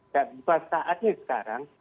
bukan saatnya sekarang